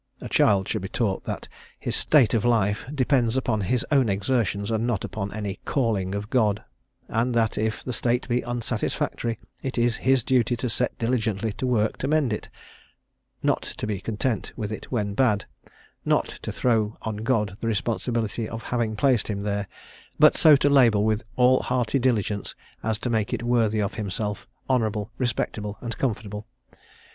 A child should be taught that his "state of life" depends upon his own exertions, and not upon any "calling" of God, and that if the state be unsatisfactory, it is his duty to set diligently to work to mend it; not to be content with it when bad, not to throw on God the responsibility of having placed him there, but so to labour with all hearty diligence as to make it worthy of himself, honourable, respectable, and comfortable.